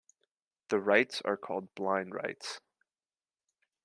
The writes are called blind writes.